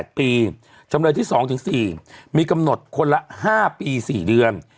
จำรวจร่ายที่๒ถึง๔มีกำหนดคนละ๕ปี๔เดือน